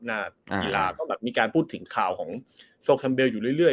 หน้ากีฬาก็มีการพูดถึงข่าวของโซลกันเบลอยู่เรื่อย